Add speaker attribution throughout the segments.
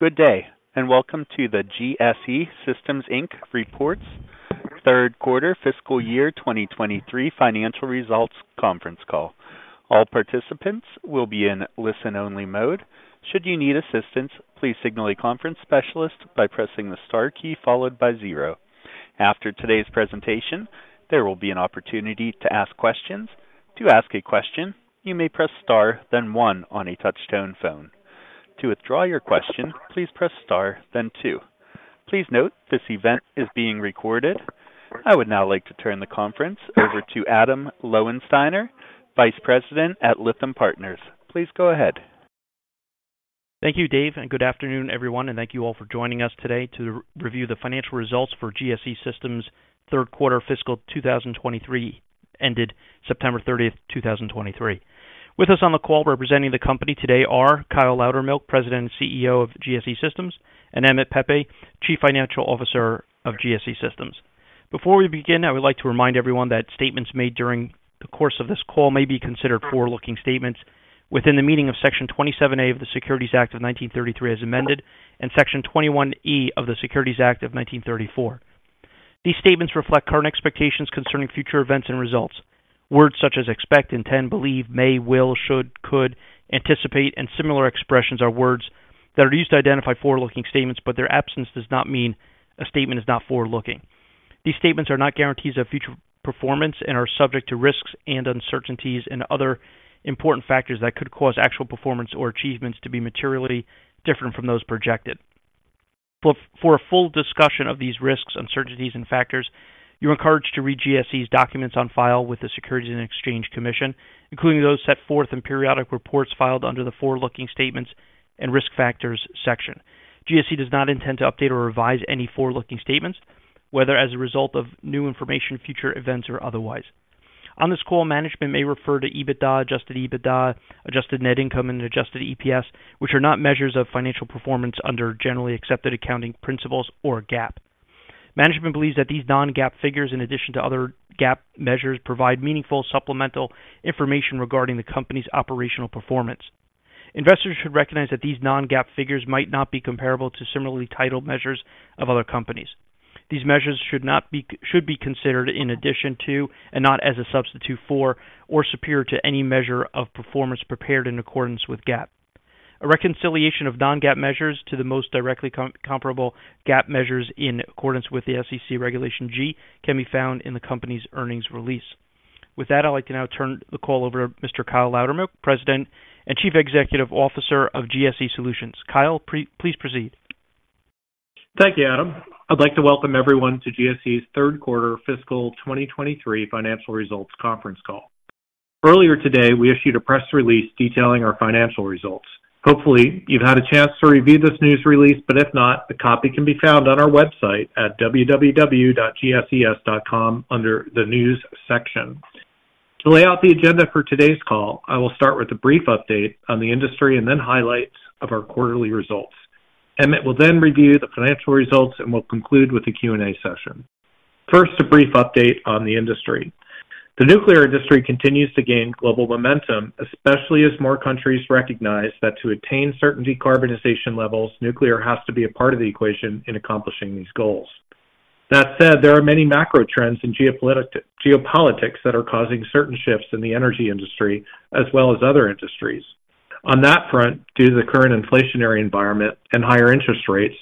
Speaker 1: Good day, and welcome to the GSE Systems Inc. Reports Third Quarter Fiscal Year 2023 Financial Results Conference Call. All participants will be in listen-only mode. Should you need assistance, please signal a conference specialist by pressing the star key followed by zero. After today's presentation, there will be an opportunity to ask questions. To ask a question, you may press star then one on a touchtone phone. To withdraw your question, please press star then two. Please note, this event is being recorded. I would now like to turn the conference over to Adam Lowensteiner, Vice President at Lytham Partners. Please go ahead.
Speaker 2: Thank you, Dave, and good afternoon, everyone, and thank you all for joining us today to review the financial results for GSE Systems third quarter fiscal 2023, ended September 30, 2023. With us on the call representing the company today are Kyle Loudermilk, President and CEO of GSE Systems, and Emmett Pepe, Chief Financial Officer of GSE Systems. Before we begin, I would like to remind everyone that statements made during the course of this call may be considered forward-looking statements within the meaning of Section 27A of the Securities Act of 1933, as amended, and Section 21E of the Securities Exchange Act of 1934. These statements reflect current expectations concerning future events and results. Words such as expect, intend, believe, may, will, should, could, anticipate, and similar expressions are words that are used to identify forward-looking statements, but their absence does not mean a statement is not forward-looking. These statements are not guarantees of future performance and are subject to risks and uncertainties and other important factors that could cause actual performance or achievements to be materially different from those projected. For a full discussion of these risks, uncertainties and factors, you're encouraged to read GSE's documents on file with the Securities and Exchange Commission, including those set forth in periodic reports filed under the Forward-Looking Statements and Risk Factors Section. GSE does not intend to update or revise any forward-looking statements, whether as a result of new information, future events, or otherwise. On this call, management may refer to EBITDA, adjusted EBITDA, adjusted net income and adjusted EPS, which are not measures of financial performance under generally accepted accounting principles or GAAP. Management believes that these non-GAAP figures, in addition to other GAAP measures, provide meaningful supplemental information regarding the company's operational performance. Investors should recognize that these non-GAAP figures might not be comparable to similarly titled measures of other companies. These measures should be considered in addition to, and not as a substitute for, or superior to any measure of performance prepared in accordance with GAAP. A reconciliation of non-GAAP measures to the most directly comparable GAAP measures in accordance with the SEC Regulation G can be found in the company's earnings release. With that, I'd like to now turn the call over to Mr. Kyle Loudermilk, President and Chief Executive Officer of GSE Solutions. Kyle, please proceed.
Speaker 3: Thank you, Adam. I'd like to welcome everyone to GSE's third quarter fiscal 2023 financial results conference call. Earlier today, we issued a press release detailing our financial results. Hopefully, you've had a chance to review this news release, but if not, the copy can be found on our website at www.gses.com under the News section. To lay out the agenda for today's call, I will start with a brief update on the industry and then highlights of our quarterly results. Emmett will then review the financial results, and we'll conclude with a Q&A session. First, a brief update on the industry. The nuclear industry continues to gain global momentum, especially as more countries recognize that to attain certain decarbonization levels, nuclear has to be a part of the equation in accomplishing these goals. That said, there are many macro trends in geopolitics that are causing certain shifts in the energy industry as well as other industries. On that front, due to the current inflationary environment and higher interest rates,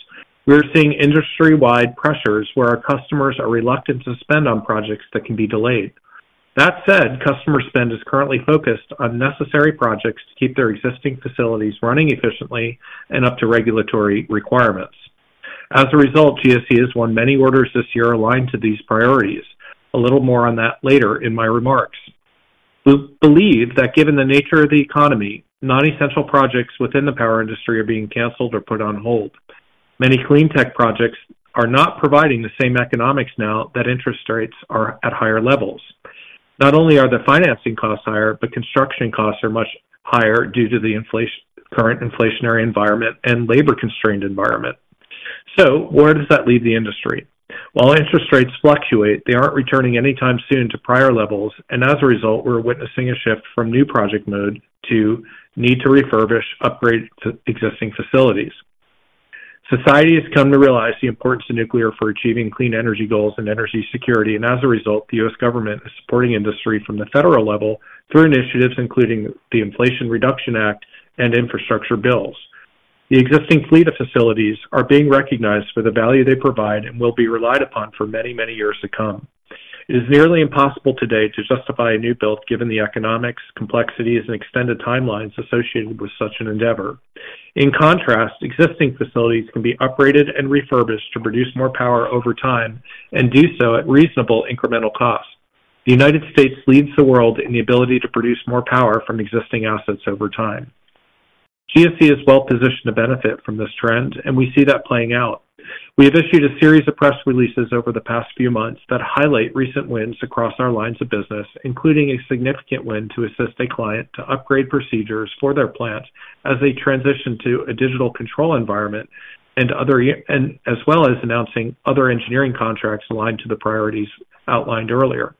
Speaker 3: we are seeing industry-wide pressures where our customers are reluctant to spend on projects that can be delayed. That said, customer spend is currently focused on necessary projects to keep their existing facilities running efficiently and up to regulatory requirements. As a result, GSE has won many orders this year aligned to these priorities. A little more on that later in my remarks. We believe that given the nature of the economy, non-essential projects within the power industry are being canceled or put on hold. Many clean tech projects are not providing the same economics now that interest rates are at higher levels. Not only are the financing costs higher, but construction costs are much higher due to the inflation, current inflationary environment and labor-constrained environment. So where does that leave the industry? While interest rates fluctuate, they aren't returning anytime soon to prior levels, and as a result, we're witnessing a shift from new project mode to need to refurbish, upgrade to existing facilities. Society has come to realize the importance of nuclear for achieving clean energy goals and energy security, and as a result, the U.S. Government is supporting industry from the federal level through initiatives including the Inflation Reduction Act and Infrastructure Bills. The existing fleet of facilities are being recognized for the value they provide and will be relied upon for many, many years to come. It is nearly impossible today to justify a new build given the economics, complexities, and extended timelines associated with such an endeavor. In contrast, existing facilities can be upgraded and refurbished to produce more power over time and do so at reasonable incremental cost. The United States leads the world in the ability to produce more power from existing assets over time. GSE is well positioned to benefit from this trend, and we see that playing out. We have issued a series of press releases over the past few months that highlight recent wins across our lines of business, including a significant win to assist a client to upgrade procedures for their plant as they transition to a digital control environment and as well as announcing other engineering contracts aligned to the priorities outlined earlier.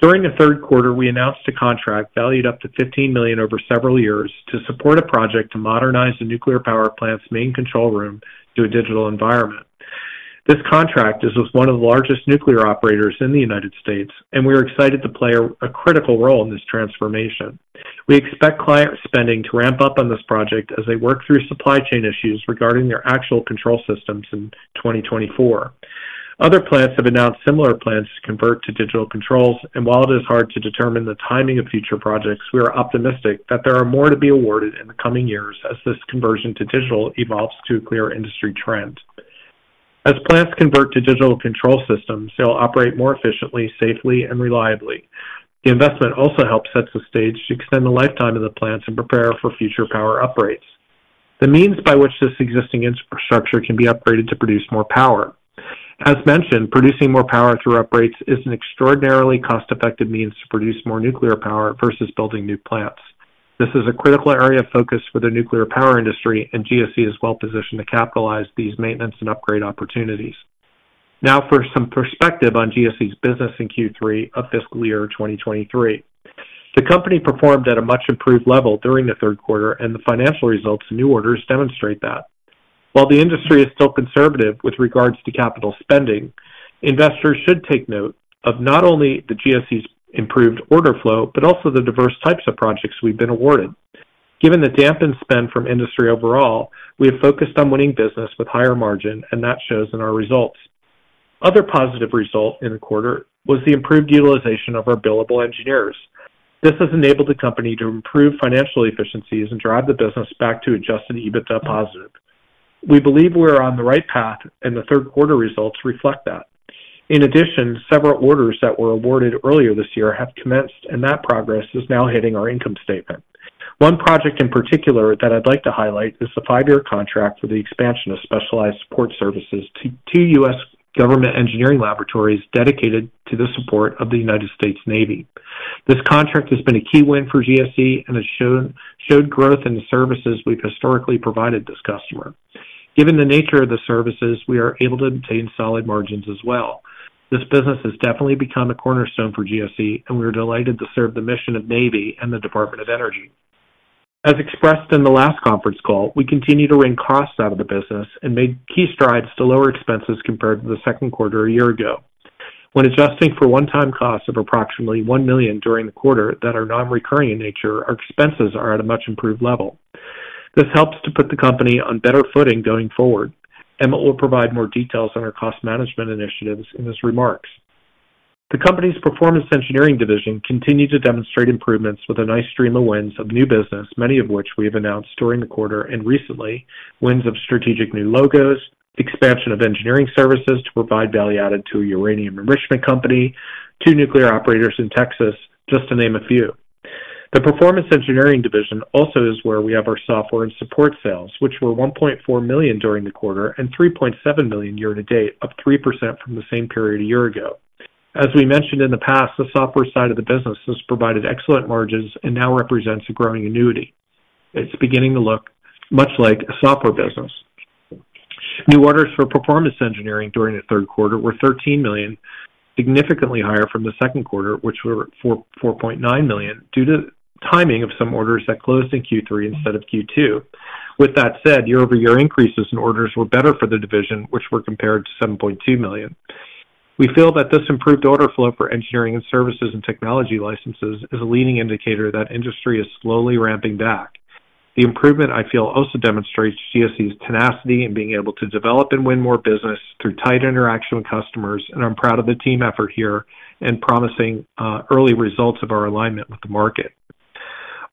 Speaker 3: During the third quarter, we announced a contract valued up to $15 million over several years to support a project to modernize the nuclear power plant's main control room to a digital environment. This contract is with one of the largest nuclear operators in the United States, and we are excited to play a critical role in this transformation. We expect client spending to ramp up on this project as they work through supply chain issues regarding their actual control systems in 2024. Other plants have announced similar plans to convert to digital controls, and while it is hard to determine the timing of future projects, we are optimistic that there are more to be awarded in the coming years as this conversion to digital evolves to a clear industry trend. As plants convert to digital control systems, they'll operate more efficiently, safely and reliably. The investment also helps set the stage to extend the lifetime of the plants and prepare for future power uprates. The means by which this existing infrastructure can be upgraded to produce more power. As mentioned, producing more power through uprates is an extraordinarily cost-effective means to produce more nuclear power versus building new plants. This is a critical area of focus for the nuclear power industry, and GSE is well positioned to capitalize on these maintenance and upgrade opportunities. Now for some perspective on GSE's business in Q3 of fiscal year 2023. The company performed at a much improved level during the third quarter, and the financial results and new orders demonstrate that. While the industry is still conservative with regards to capital spending, investors should take note of not only the GSE's improved order flow, but also the diverse types of projects we've been awarded. Given the dampened spend from industry overall, we have focused on winning business with higher margin, and that shows in our results. Another positive result in the quarter was the improved utilization of our billable engineers. This has enabled the company to improve financial efficiencies and drive the business back to Adjusted EBITDA positive. We believe we're on the right path, and the third quarter results reflect that. In addition, several orders that were awarded earlier this year have commenced, and that progress is now hitting our income statement. One project in particular that I'd like to highlight is the five-year contract for the expansion of specialized support services to two U.S. government engineering laboratories dedicated to the support of the United States Navy. This contract has been a key win for GSE and has shown growth in the services we've historically provided this customer. Given the nature of the services, we are able to maintain solid margins as well. This business has definitely become a cornerstone for GSE, and we are delighted to serve the mission of the Navy and the Department of Energy. As expressed in the last conference call, we continue to wring costs out of the business and made key strides to lower expenses compared to the second quarter a year ago. When adjusting for one-time costs of approximately $1 million during the quarter that are non-recurring in nature, our expenses are at a much improved level. This helps to put the company on better footing going forward, and we'll provide more details on our cost management initiatives in these remarks. The company's Performance Engineering Division continued to demonstrate improvements with a nice stream of wins of new business, many of which we have announced during the quarter and recently. Wins of strategic new logos, expansion of engineering services to provide value added to a uranium enrichment company, two nuclear operators in Texas, just to name a few. The Performance Engineering Division also is where we have our software and support sales, which were $1.4 million during the quarter and $3.7 million year to date, up 3% from the same period a year ago. As we mentioned in the past, the software side of the business has provided excellent margins and now represents a growing annuity. It's beginning to look much like a software business. New orders for performance engineering during the third quarter were $13 million, significantly higher from the second quarter, which were $4.9 million, due to timing of some orders that closed in Q3 instead of Q2. With that said, year-over-year increases in orders were better for the division, which were compared to $7.2 million. We feel that this improved order flow for engineering and services and technology licenses is a leading indicator that industry is slowly ramping back. The improvement, I feel, also demonstrates GSE's tenacity in being able to develop and win more business through tight interaction with customers, and I'm proud of the team effort here and promising early results of our alignment with the market.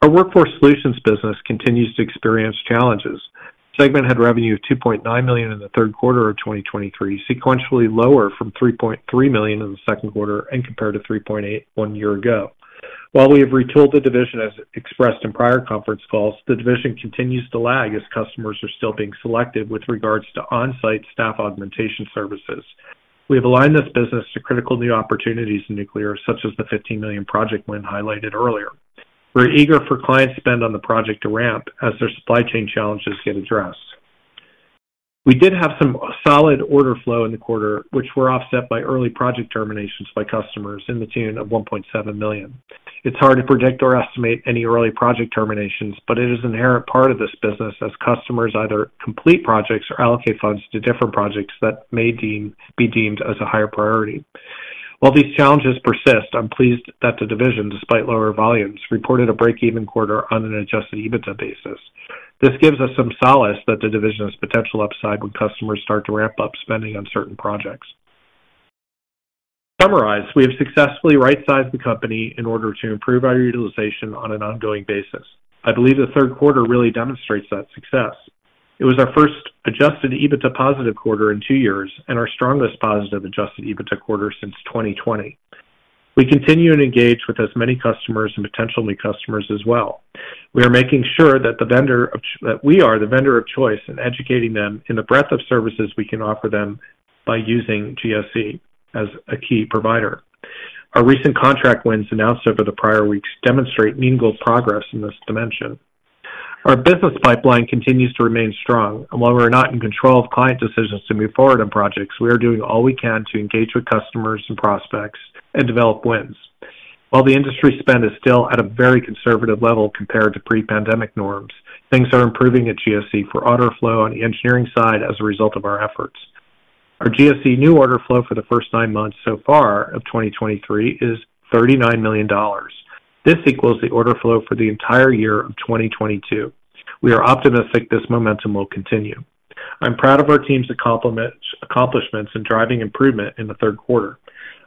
Speaker 3: Our workforce solutions business continues to experience challenges. The segment had revenue of $2.9 million in the third quarter of 2023, sequentially lower from $3.3 million in the second quarter and compared to $3.8 million one year ago. While we have retooled the division, as expressed in prior conference calls, the division continues to lag as customers are still being selective with regards to on-site staff augmentation services. We have aligned this business to critical new opportunities in nuclear, such as the $15 million project win highlighted earlier. We're eager for clients to spend on the project to ramp as their supply chain challenges get addressed. We did have some solid order flow in the quarter, which were offset by early project terminations by customers in the amount of $1.7 million. It's hard to predict or estimate any early project terminations, but it is an inherent part of this business as customers either complete projects or allocate funds to different projects that may be deemed as a higher priority. While these challenges persist, I'm pleased that the division, despite lower volumes, reported a break-even quarter on an Adjusted EBITDA basis. This gives us some solace that the division has potential upside when customers start to ramp up spending on certain projects. To summarize, we have successfully right-sized the company in order to improve our utilization on an ongoing basis. I believe the third quarter really demonstrates that success. It was our first Adjusted EBITDA positive quarter in two years and our strongest positive Adjusted EBITDA quarter since 2020. We continue to engage with as many customers and potential new customers as well. We are making sure that we are the vendor of choice in educating them in the breadth of services we can offer them by using GSE as a key provider. Our recent contract wins announced over the prior weeks demonstrate meaningful progress in this dimension. Our business pipeline continues to remain strong, and while we're not in control of client decisions to move forward on projects, we are doing all we can to engage with customers and prospects and develop wins. While the industry spend is still at a very conservative level compared to pre-pandemic norms, things are improving at GSE for order flow on the engineering side as a result of our efforts. Our GSE new order flow for the first nine months so far of 2023 is $39 million. This equals the order flow for the entire year of 2022. We are optimistic this momentum will continue. I'm proud of our team's accomplishments in driving improvement in the third quarter.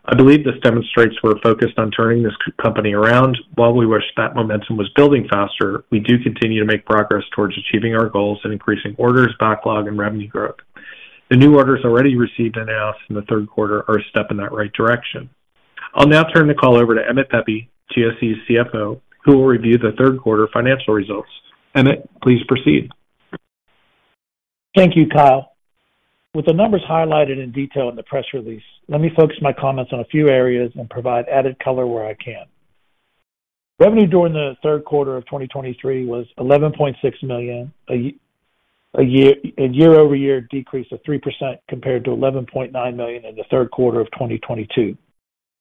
Speaker 3: I believe this demonstrates we're focused on turning this company around. While we wish that momentum was building faster, we do continue to make progress towards achieving our goals and increasing orders, backlog, and revenue growth. The new orders already received and announced in the third quarter are a step in that right direction. I'll now turn the call over to Emmett Pepe, GSE's CFO, who will review the third quarter financial results. Emmett, please proceed.
Speaker 4: Thank you, Kyle. With the numbers highlighted in detail in the press release, let me focus my comments on a few areas and provide added color where I can. Revenue during the third quarter of 2023 was $11.6 million, a year-over-year decrease of 3% compared to $11.9 million in the third quarter of 2022,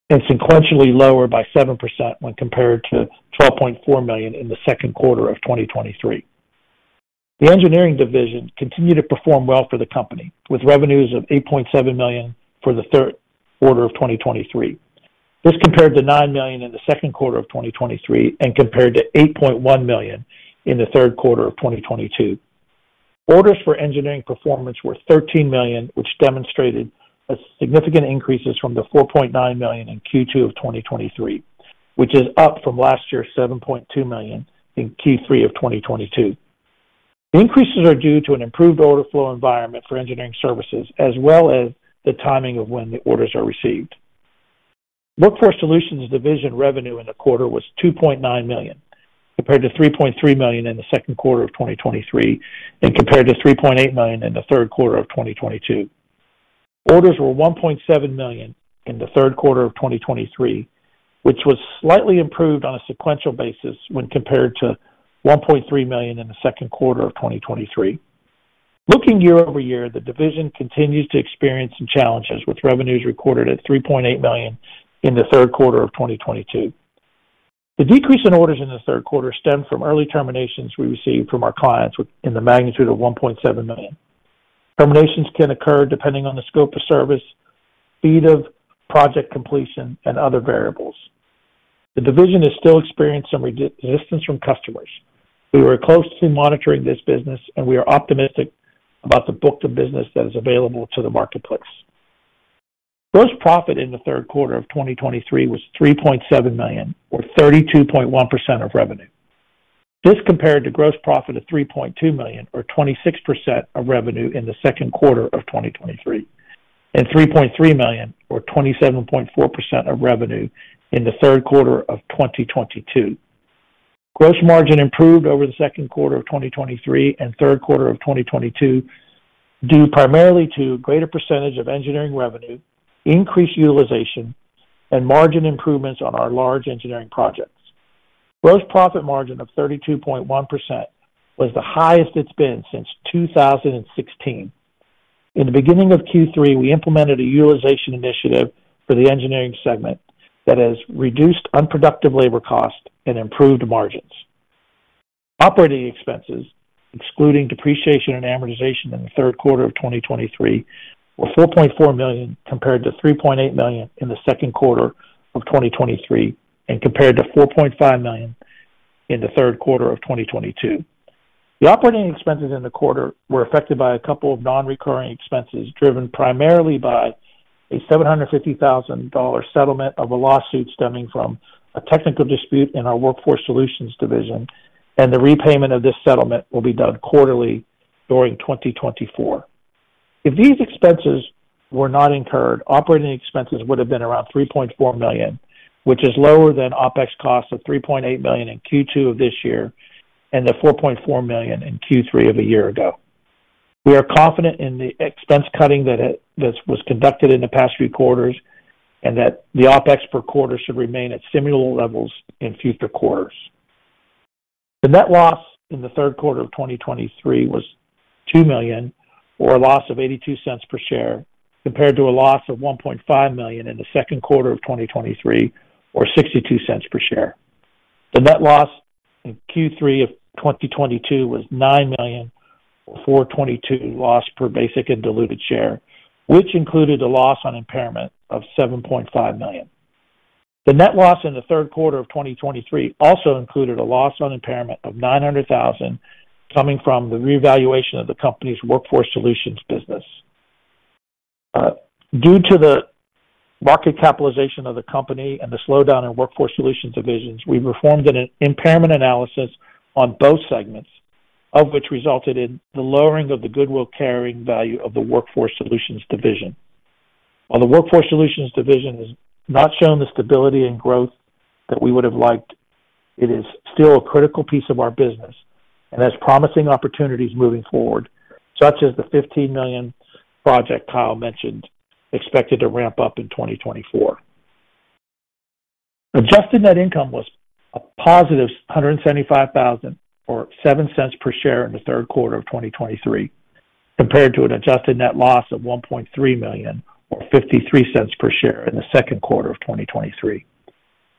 Speaker 4: and sequentially lower by 7% when compared to $12.4 million in the second quarter of 2023. The Engineering Division continued to perform well for the company, with revenues of $8.7 million for the third quarter of 2023. This compared to $9 million in the second quarter of 2023 and compared to $8.1 million in the third quarter of 2022. Orders for performance engineering were $13 million, which demonstrated a significant increases from the $4.9 million in Q2 of 2023, which is up from last year's $7.2 million in Q3 of 2022. Increases are due to an improved order flow environment for engineering services, as well as the timing of when the orders are received. Workforce Solutions Division revenue in the quarter was $2.9 million, compared to $3.3 million in the second quarter of 2023, and compared to $3.8 million in the third quarter of 2022. Orders were $1.7 million in the third quarter of 2023, which was slightly improved on a sequential basis when compared to $1.3 million in the second quarter of 2023. Looking year-over-year, the division continues to experience some challenges, with revenues recorded at $3.8 million in the third quarter of 2022. The decrease in orders in the third quarter stemmed from early terminations we received from our clients with, in the magnitude of $1.7 million. Terminations can occur depending on the scope of service, speed of project completion, and other variables. The division is still experiencing some resistance from customers. We are closely monitoring this business, and we are optimistic about the book of business that is available to the marketplace. Gross profit in the third quarter of 2023 was $3.7 million, or 32.1% of revenue. This compared to gross profit of $3.2 million, or 26% of revenue in the second quarter of 2023, and $3.3 million, or 27.4% of revenue in the third quarter of 2022. Gross margin improved over the second quarter of 2023 and third quarter of 2022, due primarily to greater percentage of engineering revenue, increased utilization, and margin improvements on our large engineering projects. Gross profit margin of 32.1% was the highest it's been since 2016. In the beginning of Q3, we implemented a utilization initiative for the engineering segment that has reduced unproductive labor costs and improved margins. Operating expenses, excluding depreciation and amortization in the third quarter of 2023, were $4.4 million, compared to $3.8 million in the second quarter of 2023, and compared to $4.5 million in the third quarter of 2022. The operating expenses in the quarter were affected by a couple of non-recurring expenses, driven primarily by a $750,000 settlement of a lawsuit stemming from a technical dispute in our Workforce Solutions division, and the repayment of this settlement will be done quarterly during 2024. If these expenses were not incurred, operating expenses would have been around $3.4 million, which is lower than OpEx costs of $3.8 million in Q2 of this year and the $4.4 million in Q3 of a year ago. We are confident in the expense cutting that was conducted in the past few quarters, and that the OpEx per quarter should remain at similar levels in future quarters. The net loss in the third quarter of 2023 was $2 million, or a loss of $0.82 per share, compared to a loss of $1.5 million in the second quarter of 2023, or $0.62 per share. The net loss in Q3 of 2022 was $9 million, or $4.22 loss per basic and diluted share, which included a loss on impairment of $7.5 million. The net loss in the third quarter of 2023 also included a loss on impairment of $900,000, coming from the revaluation of the company's Workforce Solutions business. Due to the market capitalization of the company and the slowdown in Workforce Solutions Division, we performed an impairment analysis on both segments, of which resulted in the lowering of the goodwill carrying value of the Workforce Solutions Division. While the Workforce Solutions Division has not shown the stability and growth that we would have liked, it is still a critical piece of our business and has promising opportunities moving forward, such as the $15 million project Kyle mentioned, expected to ramp up in 2024. Adjusted net income was positive $175,000, or $0.07 per share in the third quarter of 2023, compared to an adjusted net loss of $1.3 million, or $0.53 per share in the second quarter of 2023.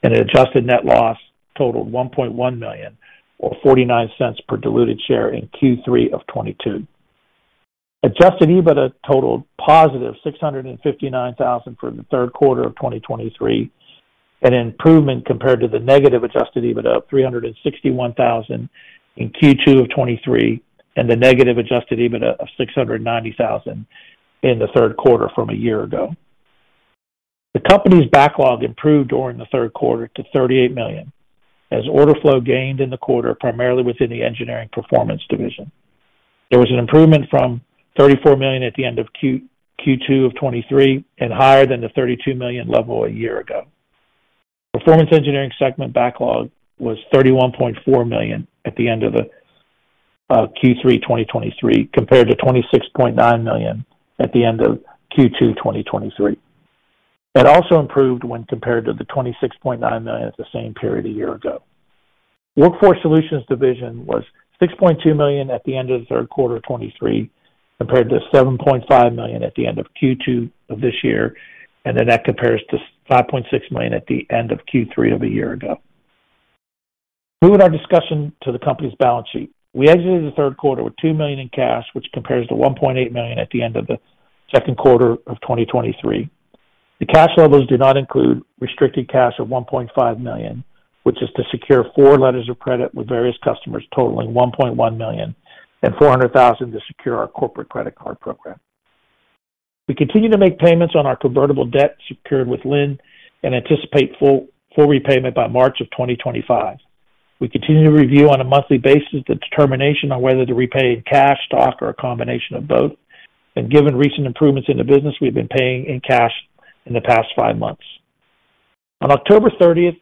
Speaker 4: An adjusted net loss totaled $1.1 million, or $0.49 per diluted share in Q3 of 2022. Adjusted EBITDA totaled positive $659,000 for the third quarter of 2023, an improvement compared to the negative adjusted EBITDA of $361,000 in Q2 of 2023, and the negative adjusted EBITDA of $690,000 in the third quarter from a year ago. The company's backlog improved during the third quarter to $38 million, as order flow gained in the quarter, primarily within the engineering performance division. There was an improvement from $34 million at the end of Q2 of 2023, and higher than the $32 million level a year ago. Performance engineering segment backlog was $31.4 million at the end of the Q3 2023, compared to $26.9 million at the end of Q2 2023 and the same period a year ago. Workforce Solutions Division was $6.2 million at the end of the third quarter of 2023, compared to $7.5 million at the end of Q2 of this year, and then that compares to $5.6 million at the end of Q3 of a year ago. Moving our discussion to the company's Balance Sheet. We exited the third quarter with $2 million in cash, which compares to $1.8 million at the end of the second quarter of 2023. The cash levels do not include restricted cash of $1.5 million, which is to secure four letters of credit with various customers totaling $1.1 million and $400,000 to secure our corporate credit card program. We continue to make payments on our convertible debt secured with Lind and anticipate full repayment by March of 2025. We continue to review on a monthly basis the determination on whether to repay in cash, stock, or a combination of both, and given recent improvements in the business, we've been paying in cash in the past five months. On October 30,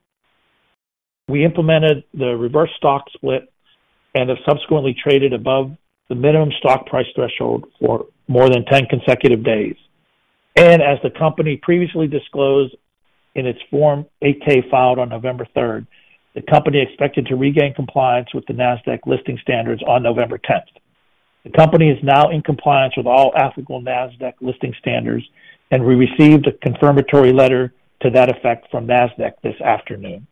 Speaker 4: we implemented the Reverse Stock Split and have subsequently traded above the minimum stock price threshold for more than 10 consecutive days. As the company previously disclosed in its Form 8-K filed on November 3, the company expected to regain compliance with the Nasdaq Listing Standards on November 10. The company is now in compliance with all applicable Nasdaq Listing Standards, and we received a confirmatory letter to that effect from Nasdaq this afternoon.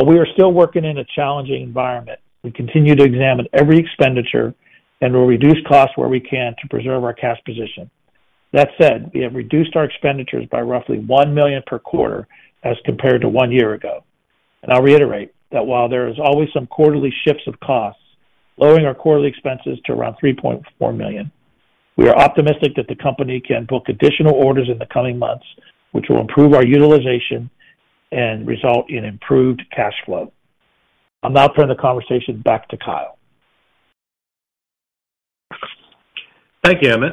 Speaker 4: While we are still working in a challenging environment, we continue to examine every expenditure and will reduce costs where we can to preserve our cash position. That said, we have reduced our expenditures by roughly $1 million per quarter as compared to one year ago. I'll reiterate that while there is always some quarterly shifts of costs, lowering our quarterly expenses to around $3.4 million, we are optimistic that the company can book additional orders in the coming months, which will improve our utilization and result in improved cash flow. I'll now turn the conversation back to Kyle.
Speaker 3: Thank you, Emmett.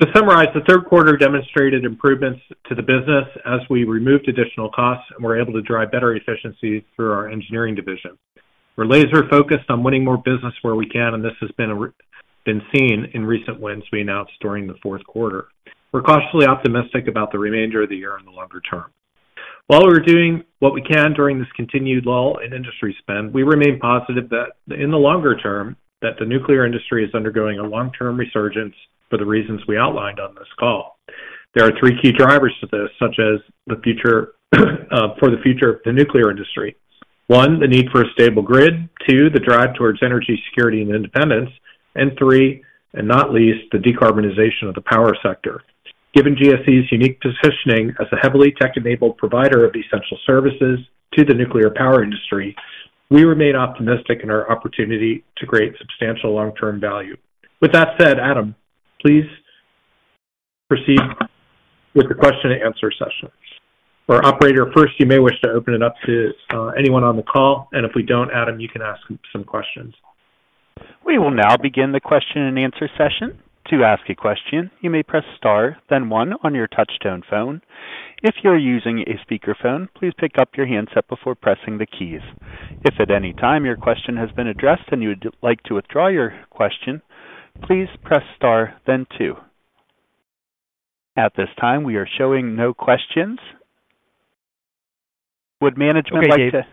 Speaker 3: To summarize, the third quarter demonstrated improvements to the business as we removed additional costs and were able to drive better efficiencies through our Engineering Division. We're laser focused on winning more business where we can, and this has been seen in recent wins we announced during the fourth quarter. We're cautiously optimistic about the remainder of the year and the longer term. While we're doing what we can during this continued lull in industry spend, we remain positive that in the longer term, that the nuclear industry is undergoing a long-term resurgence for the reasons we outlined on this call. There are three key drivers to this, such as the future, for the future of the nuclear industry. One, the need for a stable grid; two, the drive towards energy security and independence; and three, and not least, the decarbonization of the power sector. Given GSE's unique positioning as a heavily tech-enabled provider of essential services to the nuclear power industry, we remain optimistic in our opportunity to create substantial long-term value. With that said, Adam, please proceed with the question and answer session. Or operator, first, you may wish to open it up to anyone on the call, and if we don't, Adam, you can ask some questions.
Speaker 1: We will now begin the question and answer session. To ask a question, you may press star, then one on your touchtone phone. If you're using a speakerphone, please pick up your handset before pressing the keys. If at any time your question has been addressed and you would like to withdraw your question, please press star, then two. At this time, we are showing no questions. Would management like to.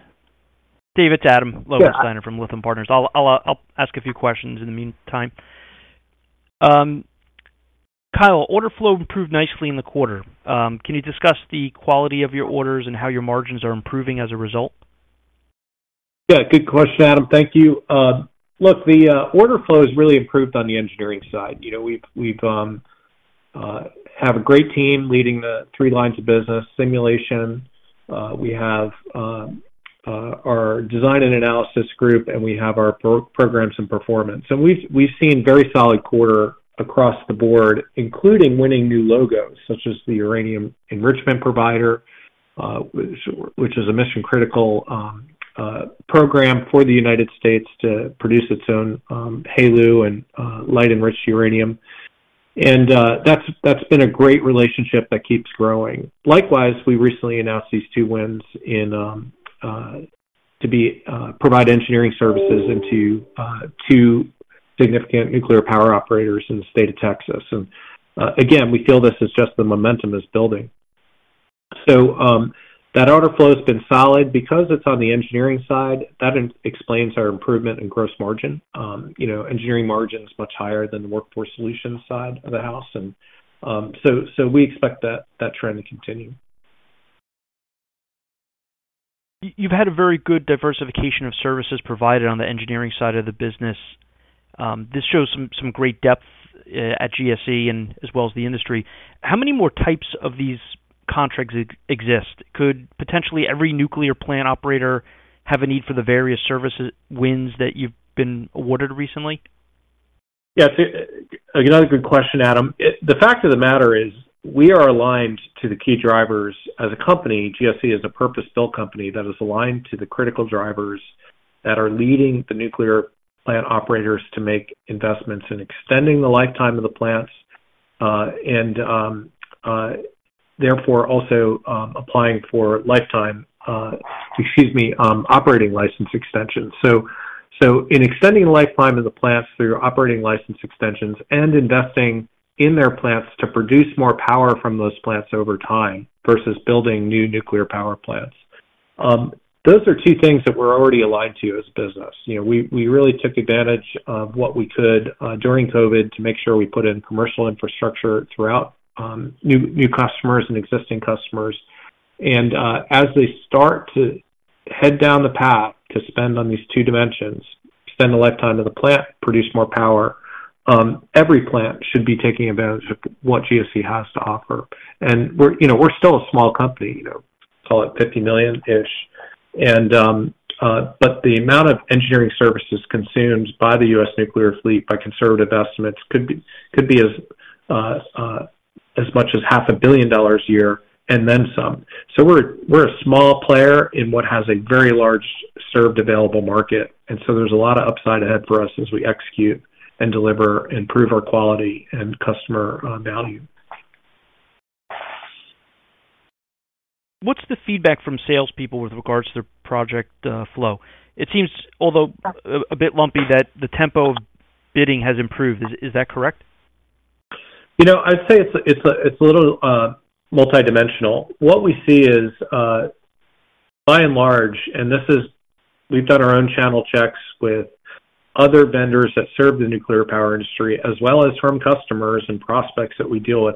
Speaker 2: David, it's Adam Lowensteiner from Lytham Partners. I'll ask a few questions in the meantime. Kyle, order flow improved nicely in the quarter. Can you discuss the quality of your orders and how your margins are improving as a result?
Speaker 3: Yeah, good question, Adam. Thank you. Look, the order flow has really improved on the engineering side. You know, we have a great team leading the three lines of business simulation. We have our design and analysis group, and we have our programs and performance. And we've seen a very solid quarter across the board, including winning new logos such as the Uranium Enrichment Provider, which is a mission-critical program for the United States to produce its own HALEU and low-enriched uranium. And that's been a great relationship that keeps growing. Likewise, we recently announced these two wins to provide engineering services to significant nuclear power operators in the state of Texas. And again, we feel this is just the momentum is building. So, that order flow has been solid. Because it's on the engineering side, that explains our improvement in gross margin. You know, engineering margin is much higher than the workforce solutions side of the house. And, so we expect that trend to continue.
Speaker 2: You've had a very good diversification of services provided on the engineering side of the business. This shows some great depth at GSE as well as the industry. How many more types of these contracts exist? Could potentially every nuclear plant operator have a need for the various services wins that you've been awarded recently?
Speaker 3: Yes, another good question, Adam. The fact of the matter is, we are aligned to the key drivers. As a company, GSE is a purpose-built company that is aligned to the critical drivers that are leading the nuclear plant operators to make investments in extending the lifetime of the plants, and therefore also applying for operating license extensions. So in extending the lifetime of the plants through operating license extensions and investing in their plants to produce more power from those plants over time versus building new nuclear power plants. Those are two things that we're already aligned to as business. You know, we really took advantage of what we could during COVID to make sure we put in commercial infrastructure throughout new customers and existing customers. As they start to head down the path to spend on these two dimensions, spend the lifetime of the plant, produce more power, every plant should be taking advantage of what GSE has to offer. We're, you know, we're still a small company, you know, call it $50 million-ish, and, but the amount of engineering services consumed by the U.S. nuclear fleet, by conservative estimates, could be, could be as, as much as $500 million a year, and then some. We're, we're a small player in what has a very large served available market, and so there's a lot of upside ahead for us as we execute and deliver, improve our quality and customer value.
Speaker 2: What's the feedback from salespeople with regards to the project flow? It seems, although, a bit lumpy, that the tempo of bidding has improved. Is that correct?
Speaker 3: You know, I'd say it's a little multidimensional. What we see is, by and large, and this is... We've done our own channel checks with other vendors that serve the nuclear power industry, as well as from customers and prospects that we deal with.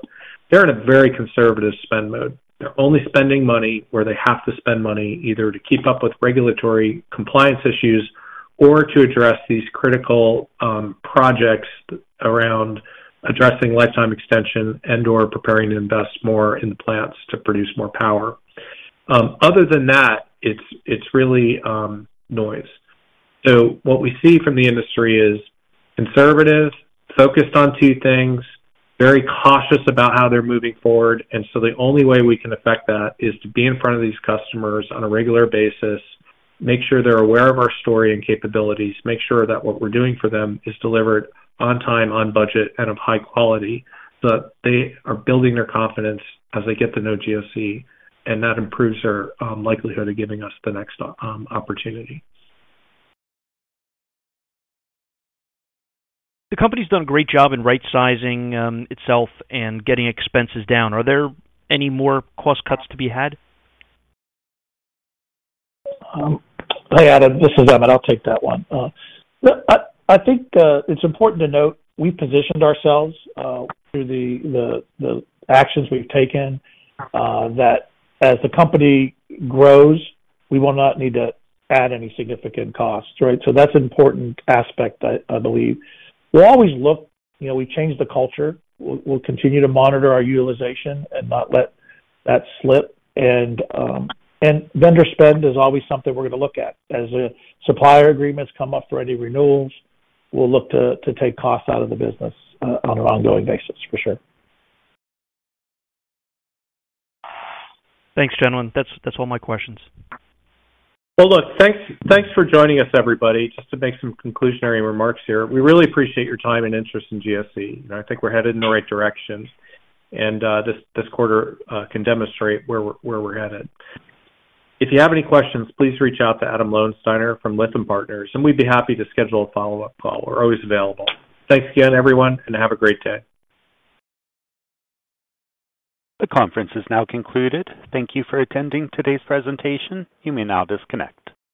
Speaker 3: They're in a very conservative spend mode. They're only spending money where they have to spend money, either to keep up with regulatory compliance issues or to address these critical projects around addressing lifetime extension and/or preparing to invest more in the plants to produce more power. Other than that, it's really noise. So what we see from the industry is conservative, focused on two things, very cautious about how they're moving forward, and so the only way we can affect that is to be in front of these customers on a regular basis, make sure they're aware of our story and capabilities, make sure that what we're doing for them is delivered on time, on budget, and of high quality. So they are building their confidence as they get to know GSE, and that improves their likelihood of giving us the next opportunity.
Speaker 2: The company's done a great job in right sizing itself and getting expenses down. Are there any more cost cuts to be had?
Speaker 4: Hey, Adam, this is Emmett. I'll take that one. I think it's important to note, we positioned ourselves through the actions we've taken that as the company grows, we will not need to add any significant costs, right? So that's an important aspect, I believe. We'll always look—you know, we changed the culture. We'll continue to monitor our utilization and not let that slip. And vendor spend is always something we're going to look at. As the supplier agreements come up for any renewals, we'll look to take costs out of the business on an ongoing basis for sure.
Speaker 2: Thanks, gentlemen. That's, that's all my questions.
Speaker 3: Well, look, thanks, thanks for joining us, everybody. Just to make some conclusionary remarks here, we really appreciate your time and interest in GSE. And I think we're headed in the right direction, and this quarter can demonstrate where we're headed. If you have any questions, please reach out to Adam Lowensteiner from Lytham Partners, and we'd be happy to schedule a follow-up call. We're always available. Thanks again, everyone, and have a great day.
Speaker 1: The conference is now concluded. Thank you for attending today's presentation. You may now disconnect.